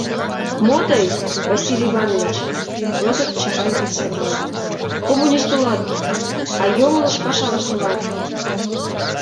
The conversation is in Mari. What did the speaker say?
— Мо тый, Василий Иванович, — Вӧдыр Чапаев дек савырна, — коммунист улат, а йоҥылыш пашам ыштылат?